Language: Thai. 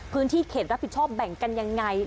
พื้นที่เขตรับผิดชอบแบ่งกันยังไง